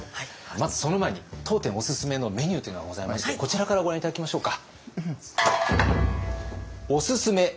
まずその前に当店オススメのメニューというのがございましてこちらからご覧頂きましょうか。